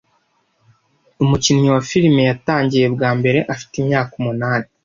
Umukinnyi wa filime yatangiye bwa mbere afite imyaka umunani.